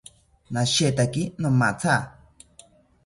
Nashetaki nomatha